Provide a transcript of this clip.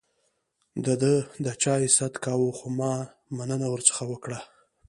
ده د چای ست کاوه ، خو ما مننه ورڅخه وکړه.